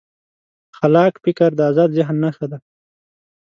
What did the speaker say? خلاق فکر د ازاد ذهن نښه ده.